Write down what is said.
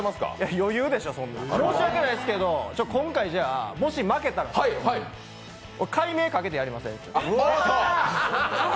余裕でしょ、そんなの、申し訳ないですけどもし負けたら改名かけてやりません？